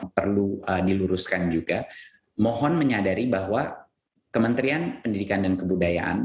perlu diluruskan juga mohon menyadari bahwa kementerian pendidikan dan kebudayaan